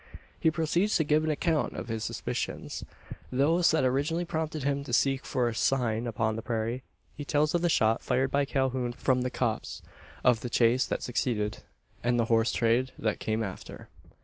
He proceeds to give an account of his suspicions those that originally prompted him to seek for "sign" upon the prairie. He tells of the shot fired by Calhoun from the copse; of the chase that succeeded; and the horse trade that came after.